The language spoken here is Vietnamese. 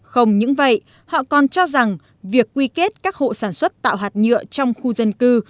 không những vậy họ còn cho rằng việc quy kết các hộ sản xuất tạo hạt nhựa trong khu dân cư